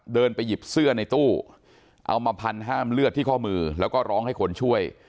เดินไปหยิบเสื้อในตู้เอามาพันห้ามเลือดที่ข้อมือแล้วก็ร้องให้คนช่วย